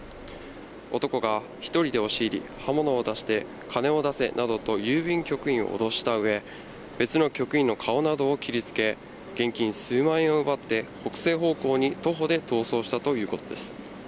男が１人で押し入り、刃物を出して金を出せなどと郵便局員を脅したうえ、別の局員の顔などを切りつけ、現金数万円を奪って、北西方向に徒歩で逃走したということです。